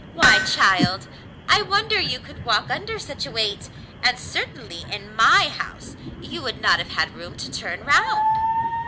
Why, child, I wonder you could walk under such a weight, and certainly in my house you would not have had room to turn round.